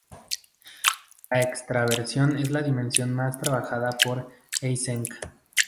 La extraversión es la dimensión más trabajada por Eysenck.